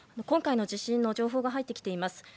今回の地震の情報が入ってきています。